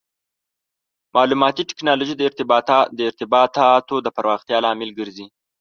مالوماتي ټکنالوژي د ارتباطاتو د پراختیا لامل ګرځي.